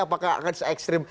apakah akan se ekstrim